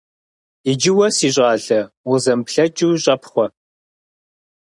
Иджы уэ, си щӀалэ, укъызэмыплъэкӀыу щӀэпхъуэ.